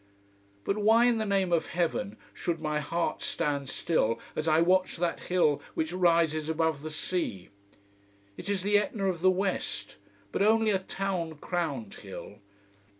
But why in the name of heaven should my heart stand still as I watch that hill which rises above the sea? It is the Etna of the west: but only a town crowned hill.